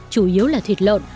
chủ yếu là thịt lợn